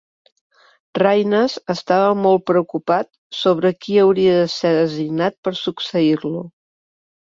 Raynes estava molt preocupat sobre qui hauria de ser designat per succeir-lo.